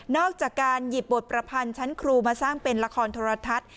อกจากการหยิบบทประพันธ์ชั้นครูมาสร้างเป็นละครโทรทัศน์